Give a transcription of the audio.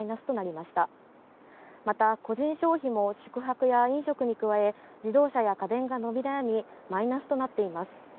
また、個人消費も宿泊や飲食に加え、自動車や家電が伸び悩み、マイナスとなっています。